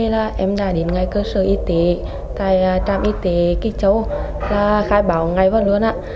là em đã đến ngay cơ sở y tế tại trạm y tế kỳ châu là khai báo ngay và luôn ạ